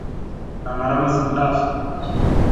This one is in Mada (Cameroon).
Namara mazam ɗaf.